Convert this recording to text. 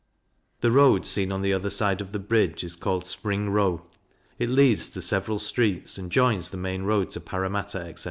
The road seen on the other side of the bridge is called Spring row; it leads to several streets, and joins the main road to Parramatta, etc.